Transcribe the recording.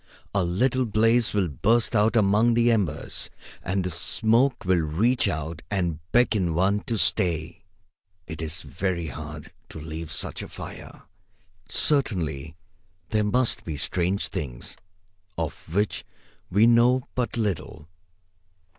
A little blaze will burst out among the embers, and the smoke will reach out and beckon one to stay. It is very hard to leave such a fire. Certainly there must be strange things, of which we know but little.